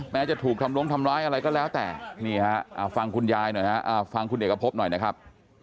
จะถูกทำลงทำร้ายอะไรก็แล้วแต่นี่ฮะฟังคุณยายหน่อยนะฮะฟังคุณเอกพบหน่อยนะครับ